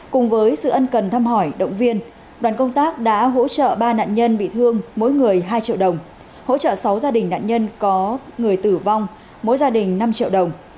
cùng với sự ân cần thăm hỏi động viên đoàn công tác đã hỗ trợ ba nạn nhân bị thương mỗi người hai triệu đồng hỗ trợ sáu gia đình nạn nhân có người tử vong mỗi gia đình năm triệu đồng